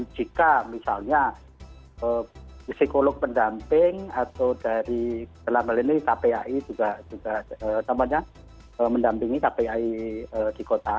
dan jika misalnya psikolog mendamping atau dari dalam hal ini kpi juga mendampingi kpi di kota